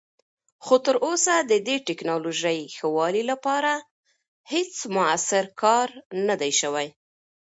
خو تراوسه د دې تکنالوژۍ ښه والي لپاره هیڅ مؤثر کار نه دی شوی.